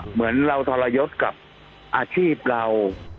เหมือนเราทรยศกับอาชีพเรา